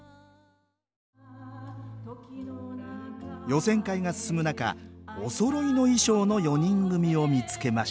予選会が進む中おそろいの衣装の４人組を見つけました